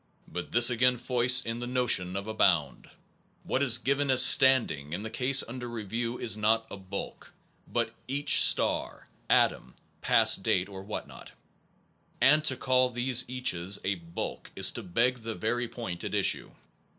But this again foists in the notion of a bound. What is given as standing in the cases under review is not a bulk/ but each star, atom, past date or what not; and to call these caches a bulk/ is to beg the very point at issue.